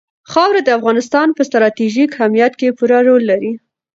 خاوره د افغانستان په ستراتیژیک اهمیت کې پوره رول لري.